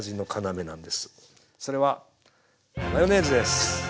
それはマヨネーズです！